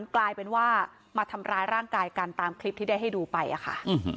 กลายเป็นว่ามาทำร้ายร่างกายกันตามคลิปที่ได้ให้ดูไปอะค่ะ